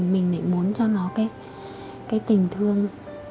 mình lại muốn cho nó cái tình thương